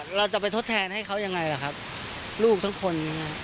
เราจะไปทดแทนให้เขายังไงล่ะครับลูกทั้งคน